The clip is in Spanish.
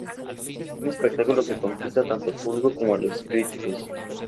Un espectáculo que conquista tanto al público como a los críticos.